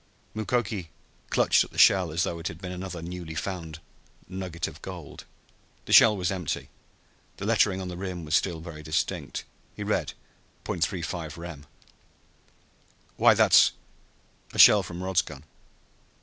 Mukoki clutched at the shell as though it had been another newly found nugget of gold. The shell was empty. The lettering on the rim was still very distinct. He read ".35 Rem." "Why, that's " "A shell from Rod's gun!"